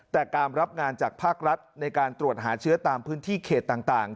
แต่การรับงานจากภาครัฐในการตรวจหาเชื้อตามพื้นที่เขตต่าง